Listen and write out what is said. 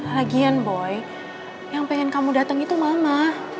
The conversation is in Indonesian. lagian boy yang pengen kamu datang itu mama